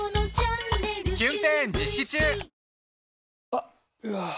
あっ、うわー。